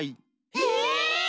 え！？